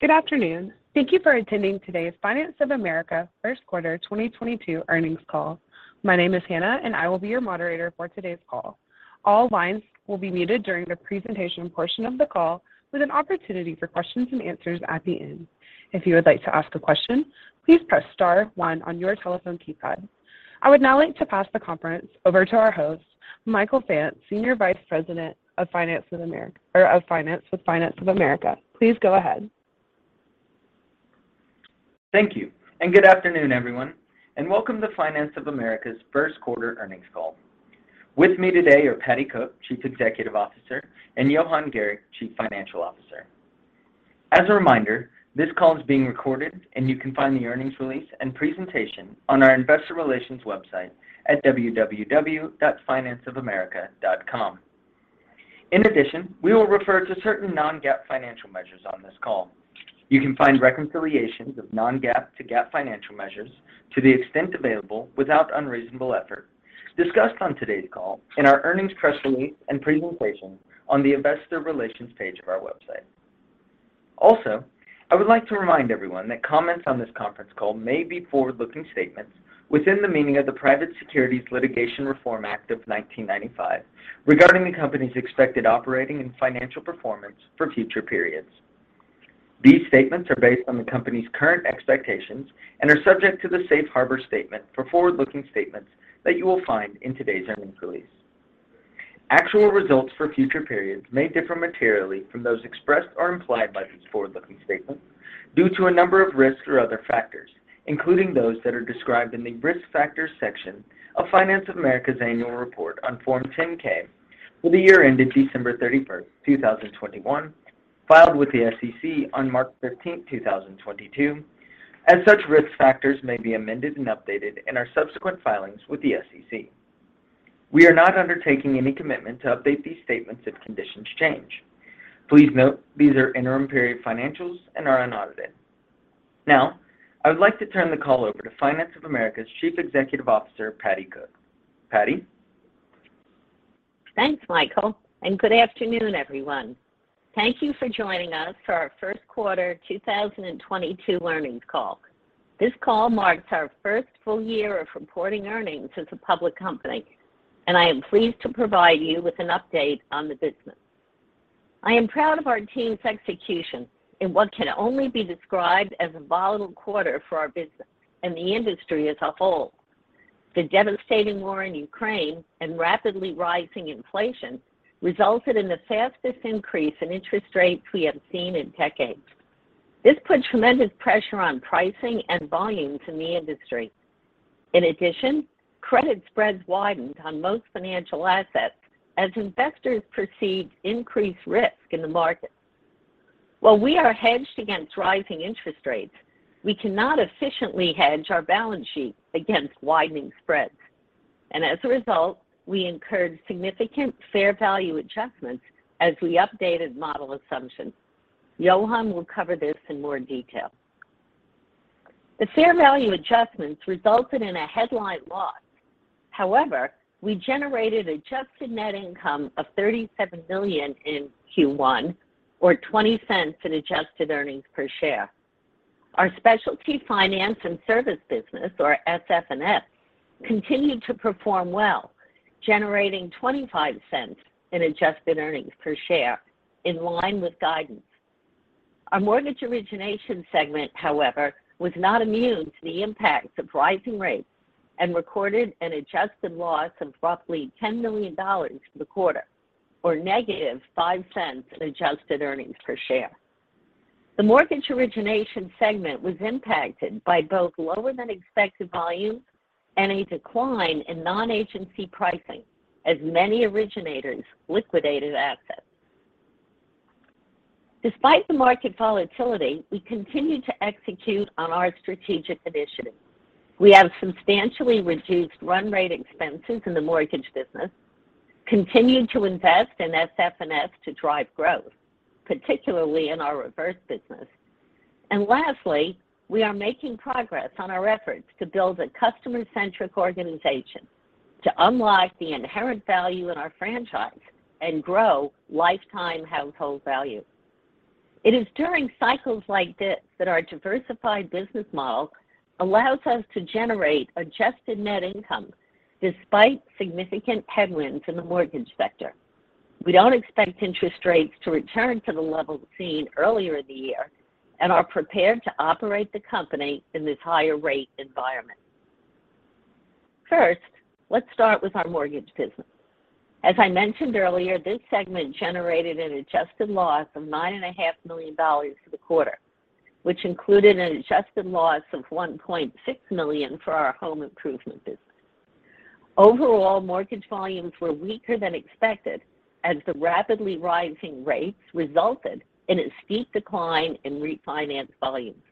Good afternoon. Thank you for attending today's Finance of America first quarter 2022 earnings call. My name is Hannah, and I will be your moderator for today's call. All lines will be muted during the presentation portion of the call with an opportunity for questions and answers at the end. If you would like to ask a question, please press star one on your telephone keypad. I would now like to pass the conference over to our host, Michael Fant, Senior Vice President of Finance with Finance of America. Please go ahead. Thank you, and good afternoon, everyone, and welcome to Finance of America's first quarter earnings call. With me today are Patti Cook, Chief Executive Officer, and Johan Gericke, Chief Financial Officer. As a reminder, this call is being recorded, and you can find the earnings release and presentation on our investor relations website at www.financeofamerica.com. In addition, we will refer to certain non-GAAP financial measures on this call. You can find reconciliations of non-GAAP to GAAP financial measures to the extent available without unreasonable effort discussed on today's call in our earnings press release and presentation on the investor relations page of our website. Also, I would like to remind everyone that comments on this conference call may be forward-looking statements within the meaning of the Private Securities Litigation Reform Act of 1995 regarding the company's expected operating and financial performance for future periods. These statements are based on the company's current expectations and are subject to the safe harbor statement for forward-looking statements that you will find in today's earnings release. Actual results for future periods may differ materially from those expressed or implied by these forward-looking statements due to a number of risks or other factors, including those that are described in the Risk Factors section of Finance of America's annual report on Form 10-K for the year ended December 31, 2021, filed with the SEC on March 13, 2022, as such risk factors may be amended and updated in our subsequent filings with the SEC. We are not undertaking any commitment to update these statements if conditions change. Please note these are interim period financials and are unaudited. Now, I would like to turn the call over to Finance of America's Chief Executive Officer, Patti Cook. Patti? Thanks, Michael, and good afternoon, everyone. Thank you for joining us for our first quarter 2022 earnings call. This call marks our first full year of reporting earnings as a public company, and I am pleased to provide you with an update on the business. I am proud of our team's execution in what can only be described as a volatile quarter for our business and the industry as a whole. The devastating war in Ukraine and rapidly rising inflation resulted in the fastest increase in interest rates we have seen in decades. This puts tremendous pressure on pricing and volumes in the industry. In addition, credit spreads widened on most financial assets as investors perceived increased risk in the markets. While we are hedged against rising interest rates, we cannot efficiently hedge our balance sheet against widening spreads, and as a result, we incurred significant fair value adjustments as we updated model assumptions. Johan will cover this in more detail. The fair value adjustments resulted in a headline loss. However, we generated adjusted net income of $37 million in Q1 or $0.20 in adjusted earnings per share. Our specialty finance and service business, or SF&S, continued to perform well, generating $0.25 in adjusted earnings per share in line with guidance. Our mortgage origination segment, however, was not immune to the impacts of rising rates and recorded an adjusted loss of roughly $10 million for the quarter or -$0.05 in adjusted earnings per share. The mortgage origination segment was impacted by both lower-than-expected volumes and a decline in non-agency pricing as many originators liquidated assets. Despite the market volatility, we continue to execute on our strategic initiatives. We have substantially reduced run rate expenses in the mortgage business, continued to invest in SF&S to drive growth, particularly in our reverse business. Lastly, we are making progress on our efforts to build a customer-centric organization to unlock the inherent value in our franchise and grow lifetime household value. It is during cycles like this that our diversified business model allows us to generate Adjusted Net Income despite significant headwinds in the mortgage sector. We don't expect interest rates to return to the levels seen earlier in the year and are prepared to operate the company in this higher rate environment. First, let's start with our mortgage business. As I mentioned earlier, this segment generated an adjusted loss of $9.5 million for the quarter, which included an adjusted loss of $1.6 million for our home improvement business. Overall, mortgage volumes were weaker than expected as the rapidly rising rates resulted in a steep decline in refinance volumes.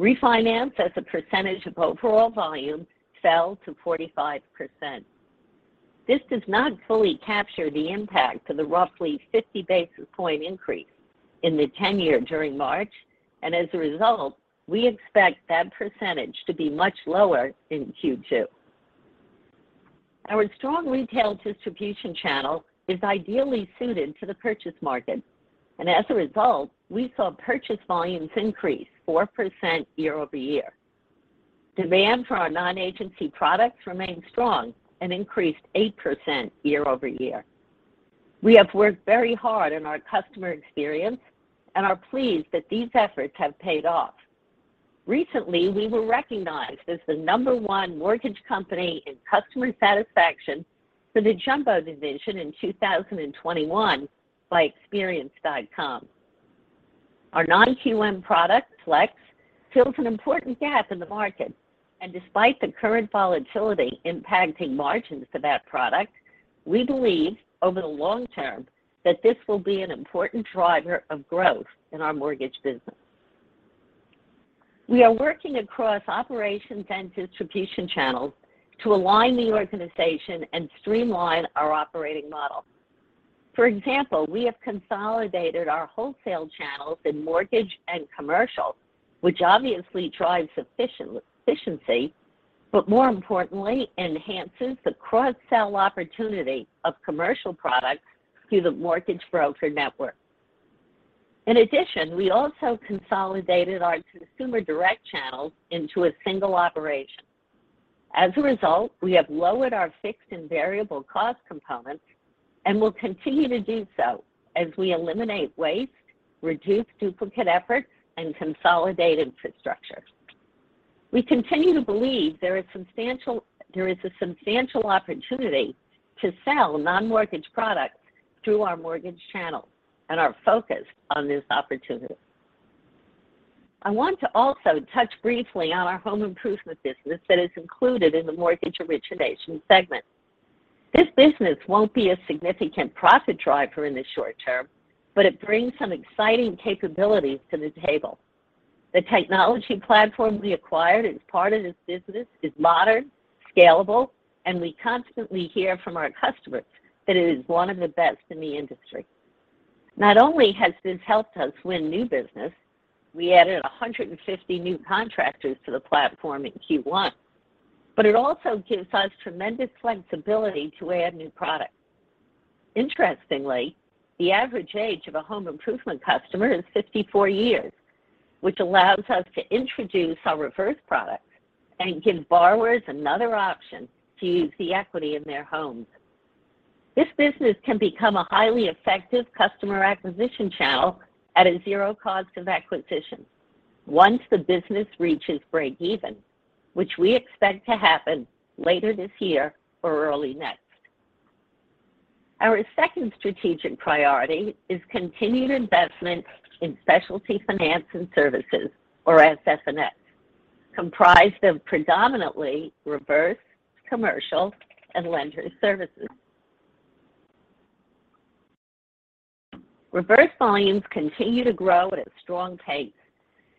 Refinance as a percentage of overall volume fell to 45%. This does not fully capture the impact of the roughly 50 basis point increase in the 10-year during March, and as a result, we expect that percentage to be much lower in Q2. Our strong retail distribution channel is ideally suited to the purchase market and as a result, we saw purchase volumes increase 4% year-over-year. Demand for our non-agency products remained strong and increased 8% year-over-year. We have worked very hard in our customer experience and are pleased that these efforts have paid off. Recently, we were recognized as the number 1 mortgage company in customer satisfaction for the jumbo division in 2021 by Experience.com. Our non-QM product, Flex, fills an important gap in the market. Despite the current volatility impacting margins for that product, we believe over the long term that this will be an important driver of growth in our mortgage business. We are working across operations and distribution channels to align the organization and streamline our operating model. For example, we have consolidated our wholesale channels in mortgage and commercial, which obviously drives efficiency, but more importantly, enhances the cross-sell opportunity of commercial products through the mortgage broker network. In addition, we also consolidated our consumer direct channels into a single operation. As a result, we have lowered our fixed and variable cost components and will continue to do so as we eliminate waste, reduce duplicate efforts, and consolidate infrastructure. We continue to believe there is a substantial opportunity to sell non-mortgage products through our mortgage channels and are focused on this opportunity. I want to also touch briefly on our home improvement business that is included in the mortgage origination segment. This business won't be a significant profit driver in the short term, but it brings some exciting capabilities to the table. The technology platform we acquired as part of this business is modern, scalable, and we constantly hear from our customers that it is one of the best in the industry. Not only has this helped us win new business, we added 150 new contractors to the platform in Q1, but it also gives us tremendous flexibility to add new products. Interestingly, the average age of a home improvement customer is 54 years, which allows us to introduce our reverse products and give borrowers another option to use the equity in their homes. This business can become a highly effective customer acquisition channel at a zero cost of acquisition once the business reaches breakeven, which we expect to happen later this year or early next. Our second strategic priority is continued investment in specialty finance and services, or SF&S, comprised of predominantly reverse, commercial, and lender services. Reverse volumes continue to grow at a strong pace,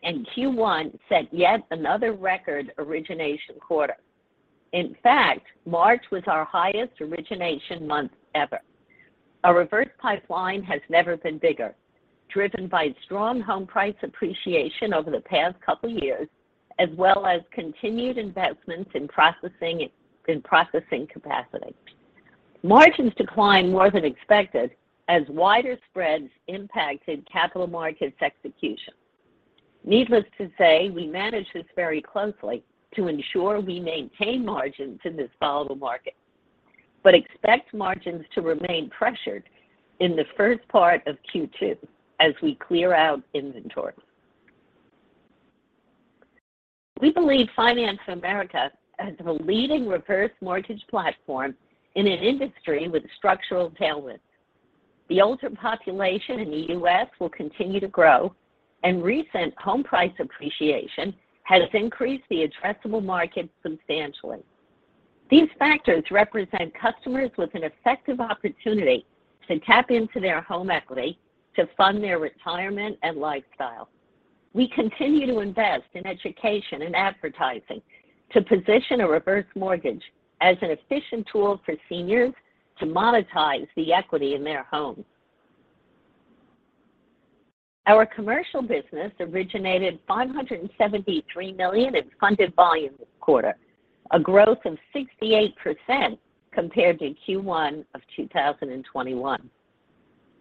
and Q1 set yet another record origination quarter. In fact, March was our highest origination month ever. Our reverse pipeline has never been bigger, driven by strong home price appreciation over the past couple years, as well as continued investments in processing, in processing capacity. Margins declined more than expected as wider spreads impacted capital markets execution. Needless to say, we manage this very closely to ensure we maintain margins in this volatile market, but expect margins to remain pressured in the first part of Q2 as we clear out inventory. We believe Finance of America has a leading reverse mortgage platform in an industry with structural tailwinds. The older population in the U.S. will continue to grow, and recent home price appreciation has increased the addressable market substantially. These factors represent customers with an effective opportunity to tap into their home equity to fund their retirement and lifestyle. We continue to invest in education and advertising to position a reverse mortgage as an efficient tool for seniors to monetize the equity in their homes. Our commercial business originated $573 million in funded volume this quarter, a growth of 68% compared to Q1 of 2021.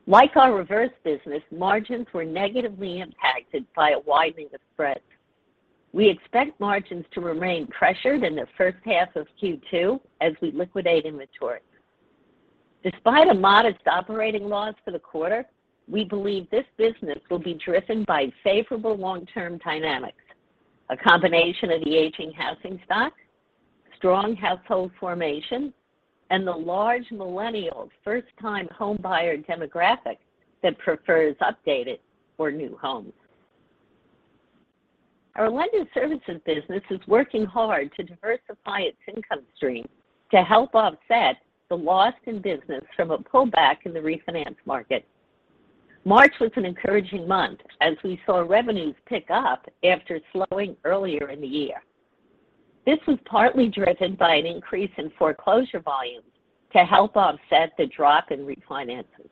Like our reverse business, margins were negatively impacted by a widening of spreads. We expect margins to remain pressured in the first half of Q2 as we liquidate inventory. Despite a modest operating loss for the quarter, we believe this business will be driven by favorable long-term dynamics, a combination of the aging housing stock, strong household formation, and the large millennial first-time homebuyer demographic that prefers updated or new homes. Our lender services business is working hard to diversify its income stream to help offset the loss in business from a pullback in the refinance market. March was an encouraging month as we saw revenues pick up after slowing earlier in the year. This was partly driven by an increase in foreclosure volumes to help offset the drop in refinances.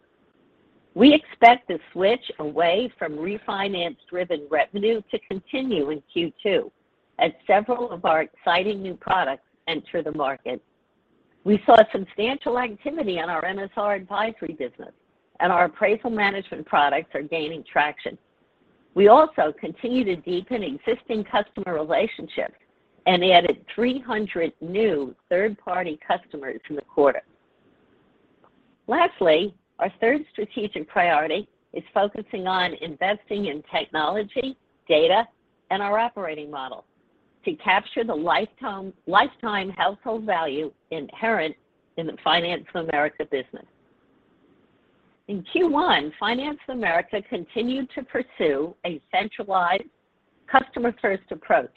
We expect the switch away from refinance-driven revenue to continue in Q2 as several of our exciting new products enter the market. We saw substantial activity on our MSR advisory business, and our appraisal management products are gaining traction. We also continue to deepen existing customer relationships and added 300 new third-party customers in the quarter. Lastly, our third strategic priority is focusing on investing in technology, data, and our operating model to capture the lifetime household value inherent in the Finance of America business. In Q1, Finance of America continued to pursue a centralized customer-first approach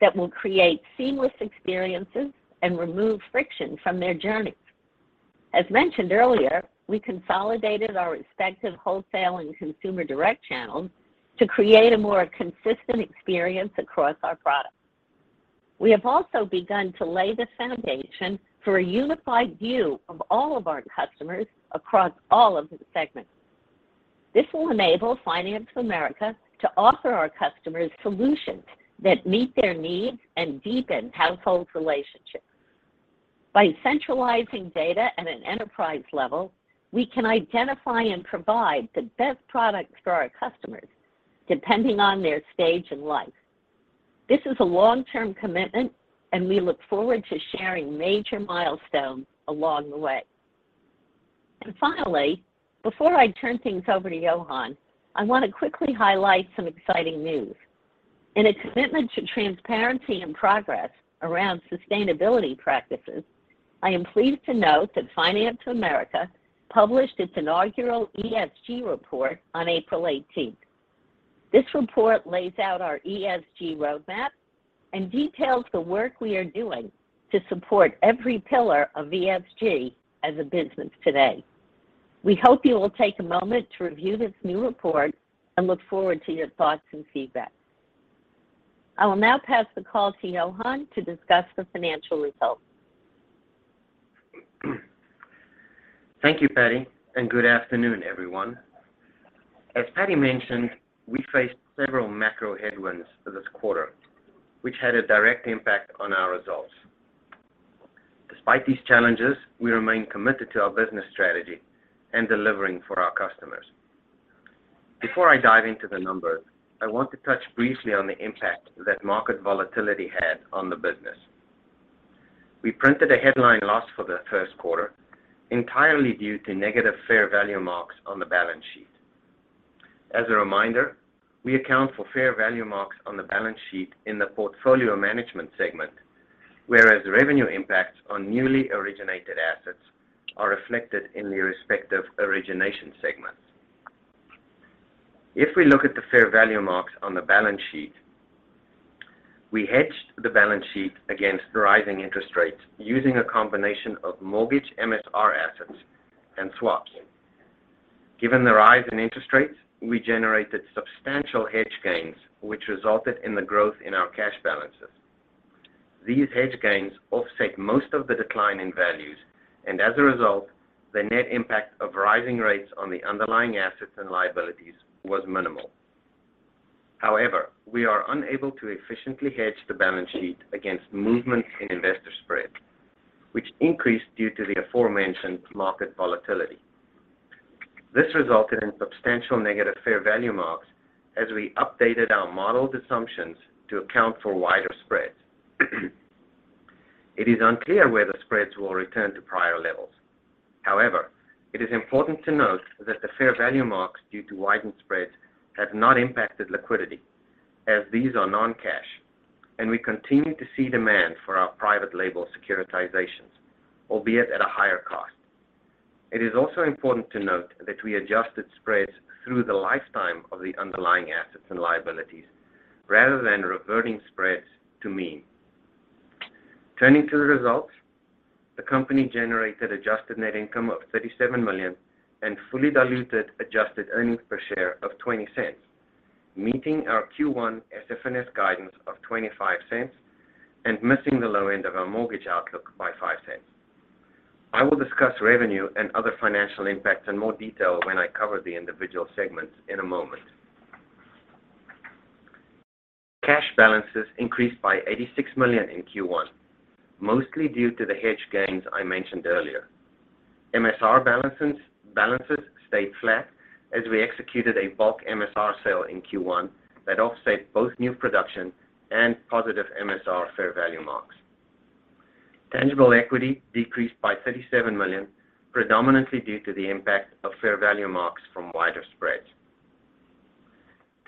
that will create seamless experiences and remove friction from their journeys. As mentioned earlier, we consolidated our respective wholesale and consumer direct channels to create a more consistent experience across our products. We have also begun to lay the foundation for a unified view of all of our customers across all of the segments. This will enable Finance of America to offer our customers solutions that meet their needs and deepen household relationships. By centralizing data at an enterprise level, we can identify and provide the best products for our customers depending on their stage in life. This is a long-term commitment, and we look forward to sharing major milestones along the way. Finally, before I turn things over to Johan, I want to quickly highlight some exciting news. In a commitment to transparency and progress around sustainability practices, I am pleased to note that Finance of America published its inaugural ESG report on April eighteenth. This report lays out our ESG roadmap and details the work we are doing to support every pillar of ESG as a business today. We hope you will take a moment to review this new report and look forward to your thoughts and feedback. I will now pass the call to Johan to discuss the financial results. Thank you, Patti, and good afternoon, everyone. As Patti mentioned, we faced several macro headwinds for this quarter, which had a direct impact on our results. Despite these challenges, we remain committed to our business strategy and delivering for our customers. Before I dive into the numbers, I want to touch briefly on the impact that market volatility had on the business. We printed a headline loss for the first quarter entirely due to negative fair value marks on the balance sheet. As a reminder, we account for fair value marks on the balance sheet in the portfolio management segment, whereas the revenue impacts on newly originated assets are reflected in the respective origination segments. If we look at the fair value marks on the balance sheet, we hedged the balance sheet against rising interest rates using a combination of mortgage MSR assets and swaps. Given the rise in interest rates, we generated substantial hedge gains, which resulted in the growth in our cash balances. These hedge gains offset most of the decline in values, and as a result, the net impact of rising rates on the underlying assets and liabilities was minimal. However, we are unable to efficiently hedge the balance sheet against movement in investor spreads, which increased due to the aforementioned market volatility. This resulted in substantial negative fair value marks as we updated our modeled assumptions to account for wider spreads. It is unclear whether spreads will return to prior levels. However, it is important to note that the fair value marks due to widened spreads have not impacted liquidity as these are non-cash, and we continue to see demand for our private label securitizations, albeit at a higher cost. It is also important to note that we adjusted spreads through the lifetime of the underlying assets and liabilities rather than reverting spreads to mean. Turning to the results, the company generated Adjusted Net Income of $37 million and fully diluted Adjusted Earnings per Share of $0.20, meeting our Q1 SF&S guidance of $0.25 and missing the low end of our mortgage outlook by $0.05. I will discuss revenue and other financial impacts in more detail when I cover the individual segments in a moment. Cash balances increased by $86 million in Q1, mostly due to the hedge gains I mentioned earlier. MSR balances stayed flat as we executed a bulk MSR sale in Q1 that offset both new production and positive MSR fair value marks. Tangible equity decreased by $37 million, predominantly due to the impact of fair value marks from wider spreads.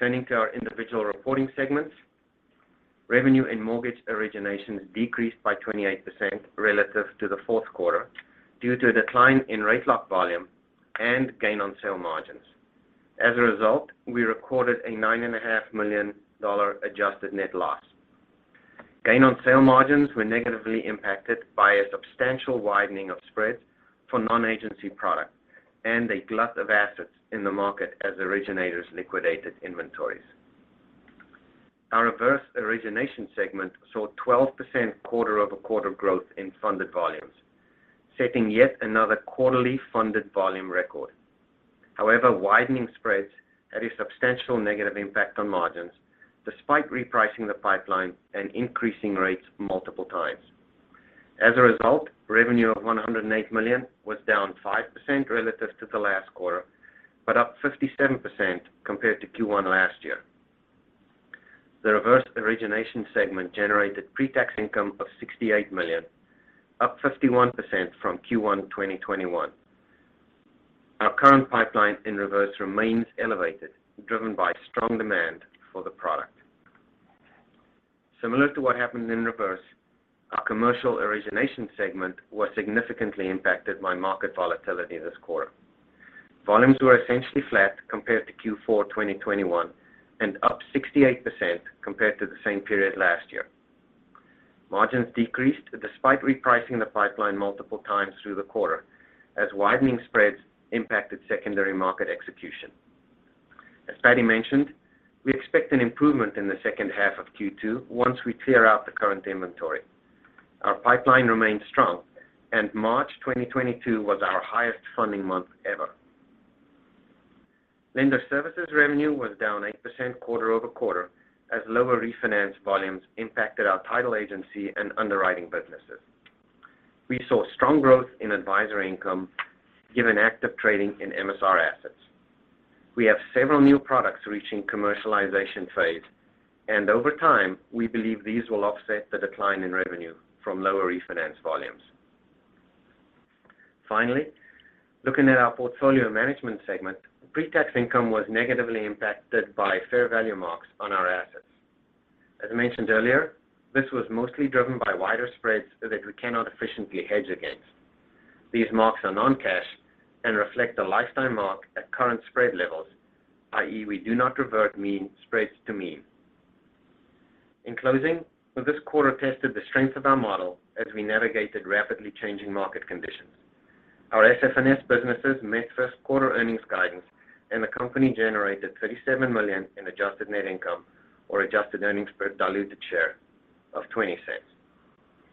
Turning to our individual reporting segments, revenue and mortgage originations decreased by 28% relative to the fourth quarter due to a decline in rate lock volume and gain on sale margins. As a result, we recorded a $9.5 million adjusted net loss. Gain on sale margins were negatively impacted by a substantial widening of spreads for non-agency product and a glut of assets in the market as originators liquidated inventories. Our reverse origination segment saw 12% quarter-over-quarter growth in funded volumes, setting yet another quarterly funded volume record. However, widening spreads had a substantial negative impact on margins despite repricing the pipeline and increasing rates multiple times. As a result, revenue of $108 million was down 5% relative to the last quarter, but up 57% compared to Q1 last year. The reverse origination segment generated pre-tax income of $68 million, up 51% from Q1 2021. Our current pipeline in reverse remains elevated, driven by strong demand for the product. Similar to what happened in reverse, our commercial origination segment was significantly impacted by market volatility this quarter. Volumes were essentially flat compared to Q4 2021 and up 68% compared to the same period last year. Margins decreased despite repricing the pipeline multiple times through the quarter as widening spreads impacted secondary market execution. As Patti mentioned, we expect an improvement in the second half of Q2 once we clear out the current inventory. Our pipeline remains strong, and March 2022 was our highest funding month ever. Lender services revenue was down 8% quarter-over-quarter as lower refinance volumes impacted our title agency and underwriting businesses. We saw strong growth in advisory income given active trading in MSR assets. We have several new products reaching commercialization phase, and over time, we believe these will offset the decline in revenue from lower refinance volumes. Finally, looking at our portfolio management segment, pre-tax income was negatively impacted by fair value marks on our assets. As I mentioned earlier, this was mostly driven by wider spreads that we cannot efficiently hedge against. These marks are non-cash and reflect the lifetime mark at current spread levels, i.e., we do not revert mean spreads to mean. In closing, this quarter tested the strength of our model as we navigated rapidly changing market conditions. Our SF&S businesses met first quarter earnings guidance, and the company generated $37 million in adjusted net income or adjusted earnings per diluted share of $0.20.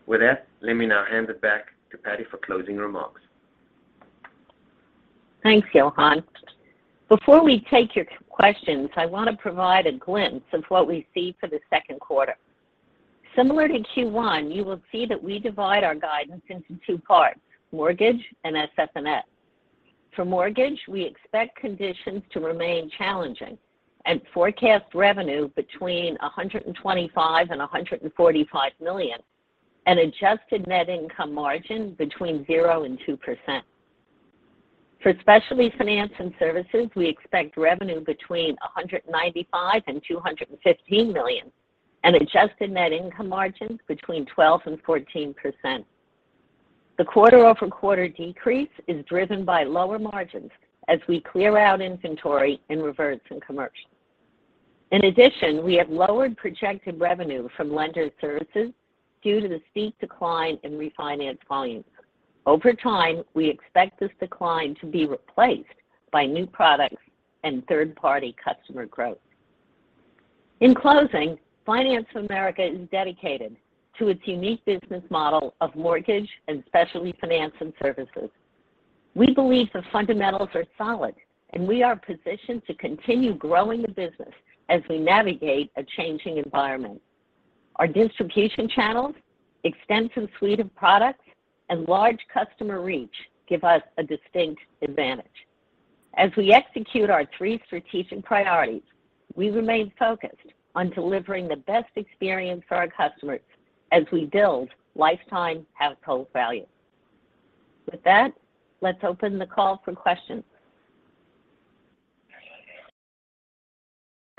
With that, let me now hand it back to Patti for closing remarks. Thanks, Johan. Before we take your questions, I want to provide a glimpse of what we see for the second quarter. Similar to Q1, you will see that we divide our guidance into two parts, mortgage and SF&S. For mortgage, we expect conditions to remain challenging and forecast revenue between $125 million and $145 million, an Adjusted Net Income margin between 0% and 2%. For specialty finance and services, we expect revenue between $195 million and $215 million, an Adjusted Net Income margin between 12% and 14%. The quarter-over-quarter decrease is driven by lower margins as we clear out inventory in reverses and commercials. In addition, we have lowered projected revenue from lender services due to the steep decline in refinance volumes. Over time, we expect this decline to be replaced by new products and third-party customer growth. In closing, Finance of America is dedicated to its unique business model of mortgage and specialty finance and services. We believe the fundamentals are solid, and we are positioned to continue growing the business as we navigate a changing environment. Our distribution channels, extensive suite of products, and large customer reach give us a distinct advantage. As we execute our three strategic priorities, we remain focused on delivering the best experience for our customers as we build lifetime household value. With that, let's open the call for questions.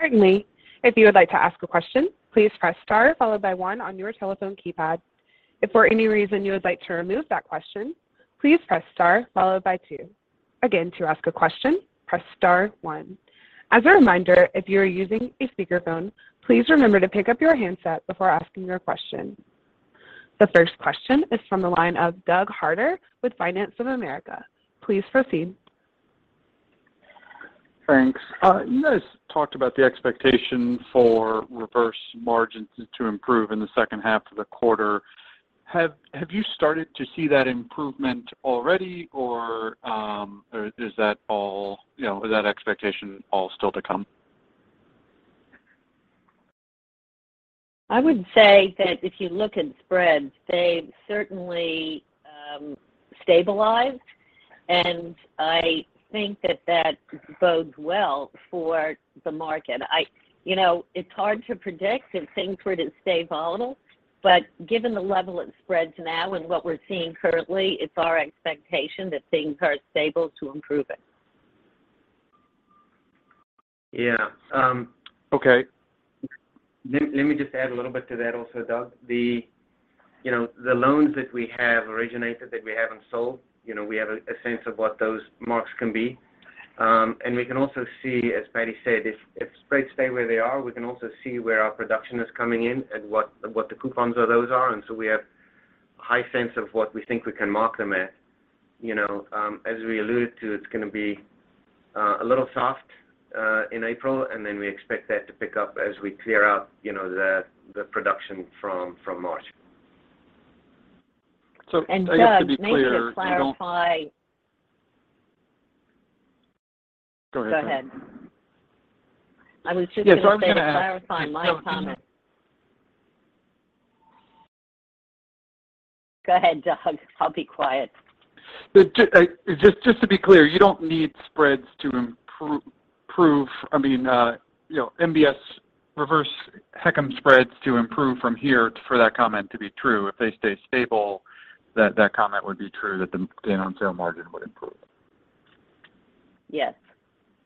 Certainly. If you would like to ask a question, please press star followed by one on your telephone keypad. If for any reason you would like to remove that question, please press star followed by two. Again, to ask a question, press star one. As a reminder, if you are using a speakerphone, please remember to pick up your handset before asking your question. The first question is from the line of Doug Harter with Credit Suisse. Please proceed. Thanks. You guys talked about the expectation for reverse margins to improve in the second half of the quarter. Have you started to see that improvement already or is that all, you know, is that expectation all still to come? I would say that if you look at spreads, they've certainly stabilized. I think that bodes well for the market. You know, it's hard to predict and things were to stay volatile, but given the level of spreads now and what we're seeing currently, it's our expectation that things are stable to improving. Yeah. Okay. Let me just add a little bit to that also, Doug. You know, the loans that we have originated that we haven't sold, you know, we have a sense of what those marks can be. We can also see, as Patti said, if spreads stay where they are, we can also see where our production is coming in and what the coupons of those are. We have a high sense of what we think we can mark them at. You know, as we alluded to, it's gonna be a little soft in April, and then we expect that to pick up as we clear out, you know, the production from March. Just to be clear, you don't. Doug, maybe to clarify. Go ahead. Go ahead. I was just gonna say. Yeah. I was gonna ask. To clarify my comment. Go ahead, Doug. I'll be quiet. Just to be clear, you don't need spreads to improve. I mean, you know, MBS reverse HECM spreads to improve from here for that comment to be true. If they stay stable, that comment would be true that the gain on sale margin would improve.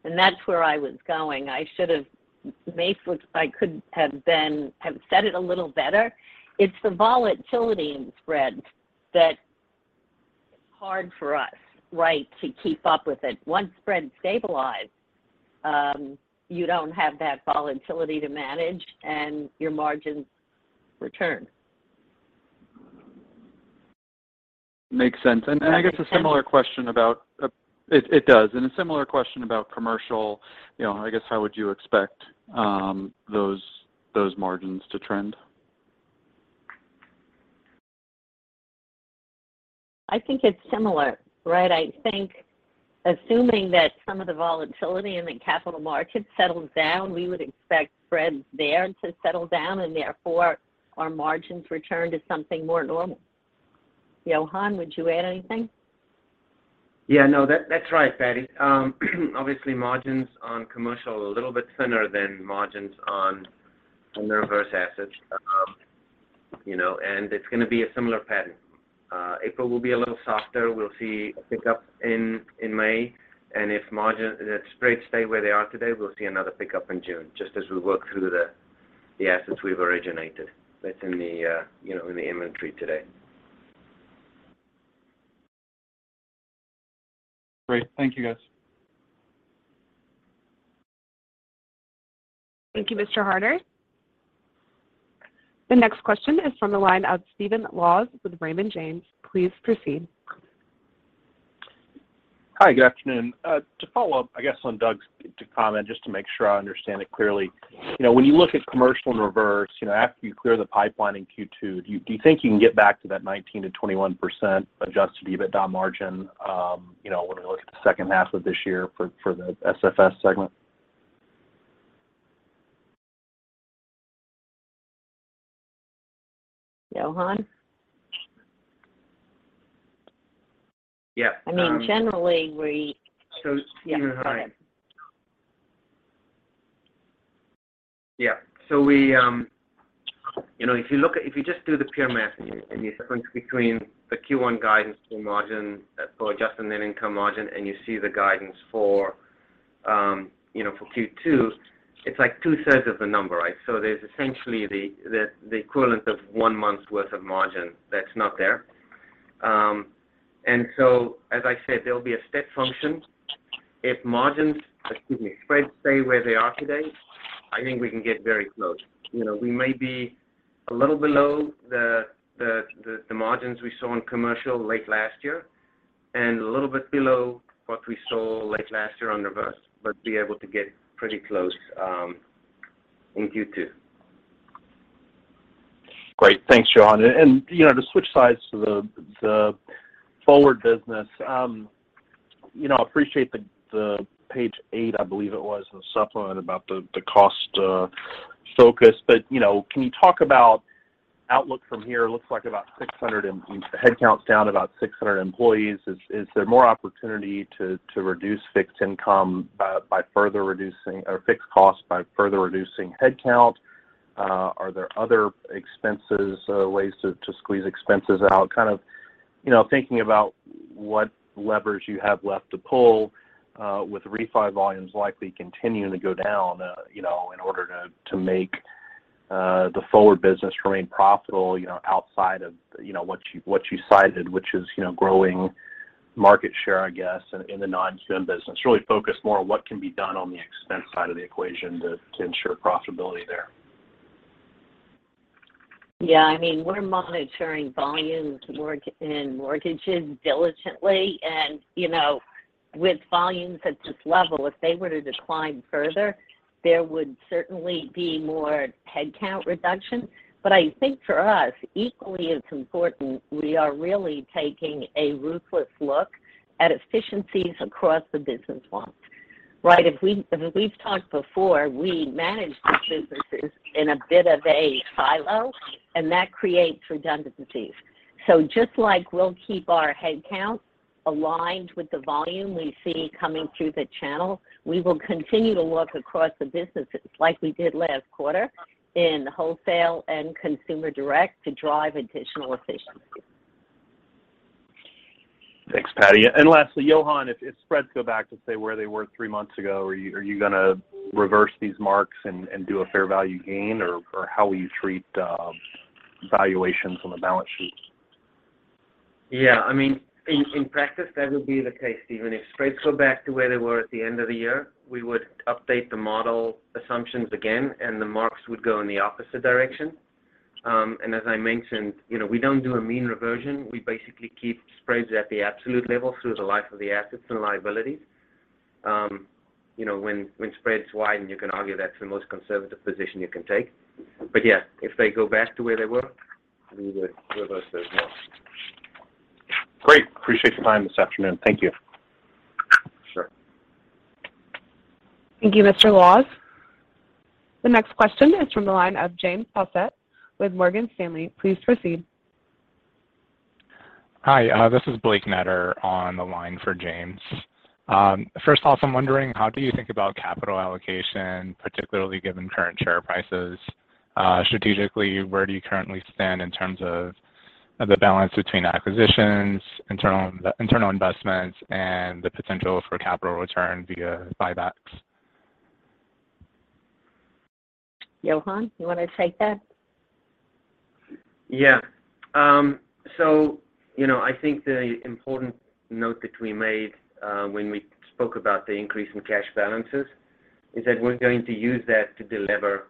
Yes. That's where I was going. I should have said it a little better. It's the volatility in spreads that is hard for us, right, to keep up with it. Once spreads stabilize, you don't have that volatility to manage and your margins return. Makes sense. It does. I guess a similar question about commercial, you know, how would you expect those margins to trend? I think it's similar, right? I think assuming that some of the volatility in the capital markets settles down, we would expect spreads there to settle down, and therefore our margins return to something more normal. Johan, would you add anything? Yeah. No. That's right, Patti. Obviously margins on commercial are a little bit thinner than margins on the reverse assets. You know, and it's gonna be a similar pattern. April will be a little softer. We'll see a pickup in May. If spreads stay where they are today, we'll see another pickup in June, just as we work through the assets we've originated that's in the you know in the inventory today. Great. Thank you, guys. Thank you, Mr. Harter. The next question is from the line of Stephen Laws with Raymond James. Please proceed. Hi. Good afternoon. To follow up, I guess, on Doug's comment, just to make sure I understand it clearly. You know, when you look at commercial and reverse, you know, after you clear the pipeline in Q2, do you think you can get back to that 19%-21% Adjusted EBITDA margin, you know, when we look at the second half of this year for the SF&S segment? Johan? Yeah. I mean, generally we. Stephen. Hi. Yeah. Go ahead. Yeah. We, you know, if you just do the pure math and the difference between the Q1 guidance for margin for Adjusted Net Income margin, and you see the guidance for, you know, for Q2, it's like two-thirds of the number, right? There's essentially the equivalent of one month's worth of margin that's not there. As I said, there'll be a step function. If margins, excuse me, spreads stay where they are today, I think we can get very close. You know, we may be a little below the margins we saw in commercial late last year and a little bit below what we saw late last year on reverse, but be able to get pretty close in Q2. Great. Thanks, Johan. You know, to switch sides to the forward business. You know, appreciate the page 8, I believe it was, in the supplement about the cost focus. You know, can you talk about outlook from here? It looks like about 600 headcount's down about 600 employees. Is there more opportunity to reduce fixed costs by further reducing headcount? Are there other ways to squeeze expenses out? Kind of, you know, thinking about what levers you have left to pull, with refi volumes likely continuing to go down, you know, in order to make the forward business remain profitable, you know, outside of, you know, what you cited, which is, you know, growing market share, I guess, in the non-QM business. Really focused more on what can be done on the expense side of the equation to ensure profitability there. Yeah. I mean, we're monitoring volumes in mortgages diligently. You know, with volumes at this level, if they were to decline further, there would certainly be more headcount reduction. I think for us, equally as important, we are really taking a ruthless look at efficiencies across the business lines, right? As we've talked before, we manage these businesses in a bit of a silo, and that creates redundancies. Just like we'll keep our headcount aligned with the volume we see coming through the channel, we will continue to look across the businesses like we did last quarter in wholesale and consumer direct to drive additional efficiencies. Thanks, Patti. Lastly, Johan, if spreads go back to, say, where they were three months ago, are you gonna reverse these marks and do a fair value gain, or how will you treat valuations on the balance sheet? Yeah. I mean, in practice that would be the case, Stephen. If spreads go back to where they were at the end of the year, we would update the model assumptions again, and the marks would go in the opposite direction. As I mentioned, you know, we don't do a mean reversion. We basically keep spreads at the absolute level through the life of the assets and liabilities. You know, when spreads widen, you can argue that's the most conservative position you can take. Yeah, if they go back to where they were, we would reverse those marks. Great. Appreciate your time this afternoon. Thank you. Sure. Thank you, Mr. Laws. The next question is from the line of James Faucette with Morgan Stanley. Please proceed. Hi. This is Blake Netter on the line for James. First off, I'm wondering how do you think about capital allocation, particularly given current share prices? Strategically, where do you currently stand in terms of of the balance between acquisitions, internal investments, and the potential for capital return via buybacks? Johan, you wanna take that? Yeah. So, you know, I think the important note that we made when we spoke about the increase in cash balances is that we're going to use that to delever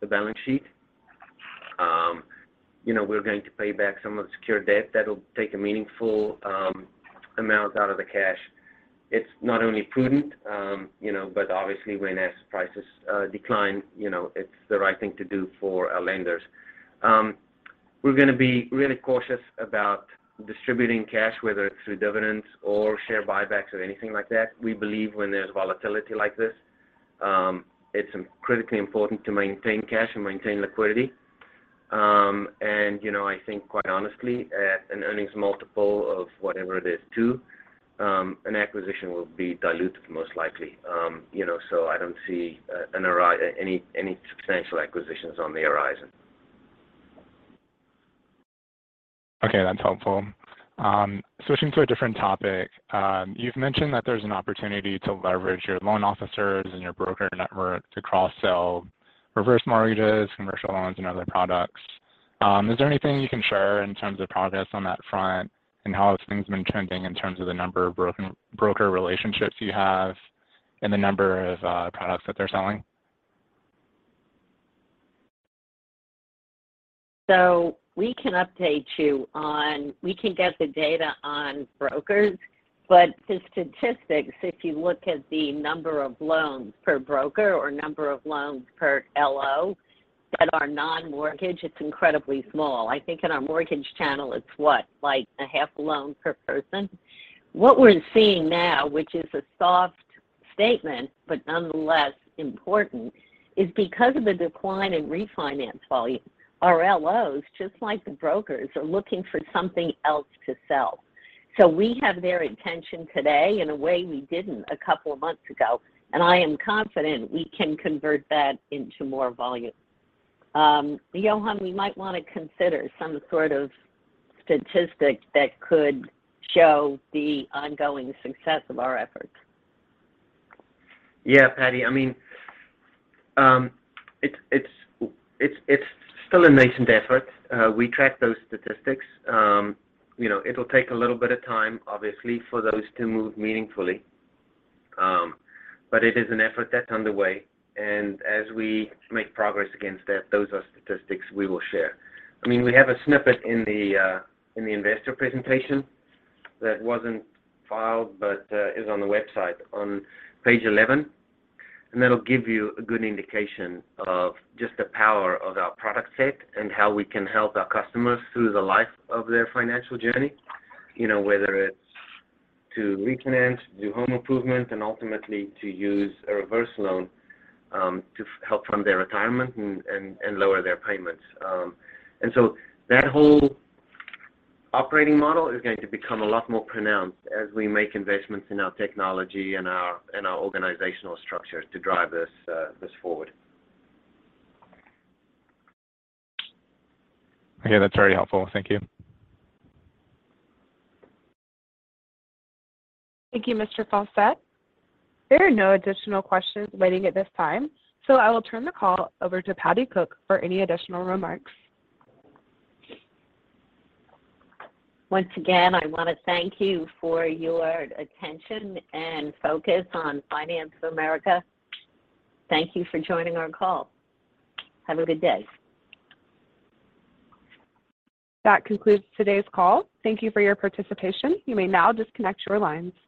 the balance sheet. You know, we're going to pay back some of the secured debt. That'll take a meaningful amount out of the cash. It's not only prudent, you know, but obviously when asset prices decline, you know, it's the right thing to do for our lenders. We're gonna be really cautious about distributing cash, whether it's through dividends or share buybacks or anything like that. We believe when there's volatility like this, it's critically important to maintain cash and maintain liquidity. You know, I think quite honestly, at an earnings multiple of whatever it is, 2, an acquisition will be dilutive most likely. You know, I don't see any substantial acquisitions on the horizon. Okay, that's helpful. Switching to a different topic. You've mentioned that there's an opportunity to leverage your loan officers and your broker network to cross-sell reverse mortgages, commercial loans, and other products. Is there anything you can share in terms of progress on that front, and how have things been trending in terms of the number of broker relationships you have and the number of products that they're selling? We can get the data on brokers, but the statistics, if you look at the number of loans per broker or number of loans per LO that are non-QM, it's incredibly small. I think in our mortgage channel, it's what? Like a half loan per person. What we're seeing now, which is a soft statement but nonetheless important, is because of the decline in refinance volume, our LOs, just like the brokers, are looking for something else to sell. We have their attention today in a way we didn't a couple of months ago, and I am confident we can convert that into more volume. Johan, we might wanna consider some sort of statistic that could show the ongoing success of our efforts. Yeah, Patti. I mean, it's still a nascent effort. We track those statistics. You know, it'll take a little bit of time, obviously, for those to move meaningfully. But it is an effort that's underway. As we make progress against that, those are statistics we will share. I mean, we have a snippet in the investor presentation that wasn't filed but is on the website on page eleven. That'll give you a good indication of just the power of our product set and how we can help our customers through the life of their financial journey. You know, whether it's to refinance, do home improvement, and ultimately to use a reverse loan to help fund their retirement and lower their payments. That whole operating model is going to become a lot more pronounced as we make investments in our technology and our organizational structure to drive this forward. Okay. That's very helpful. Thank you. Thank you, Mr. Faucette. There are no additional questions waiting at this time, so I will turn the call over to Patti Cook for any additional remarks. Once again, I wanna thank you for your attention and focus on Finance of America. Thank you for joining our call. Have a good day. That concludes today's call. Thank you for your participation. You may now disconnect your lines.